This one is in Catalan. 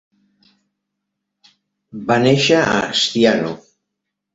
Va néixer a Asciano.